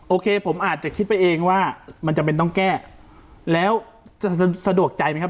โอเคผมอาจจะคิดไปเองว่ามันจำเป็นต้องแก้แล้วจะสะดวกใจไหมครับ